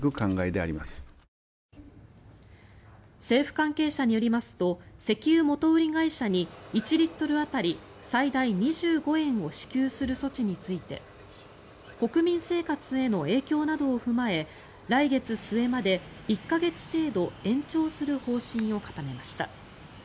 政府関係者によりますと石油元売り会社に１リットル当たり最大２５円を支給する措置について国民生活への影響などを踏まえ来月末まで１か月程度延長する方針を固めました。